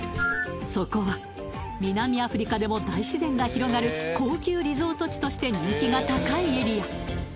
そこは南アフリカでも大自然が広がる高級リゾート地として人気が高いエリア